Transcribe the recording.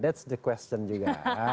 itu pertanyaan juga